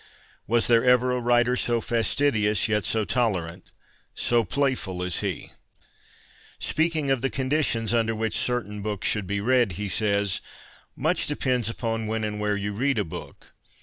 Was there ever a writer so fasti dious, yet so tolerant, so playful as he ? Speaking of the conditions under which certain books should be read, he says :' Much depends upon when and where you read a book.